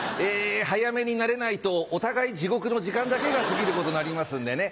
早めに慣れないとお互い地獄の時間だけが過ぎることになりますんでね